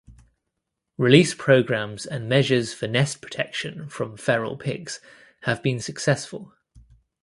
Release programs and measures for nest protection from feral pigs have been successful.